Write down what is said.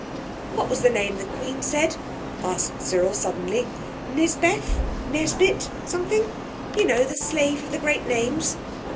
"What was the name the Queen said?" asked Cyril suddenly. "Nisbeth—Nesbit—something? You know, the slave of the great names?"